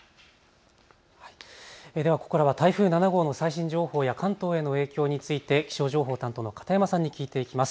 ではここからは台風７号の最新情報や関東への影響について気象情報担当の片山さんに聞いていきます。